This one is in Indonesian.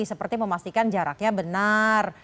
seperti memastikan jaraknya benar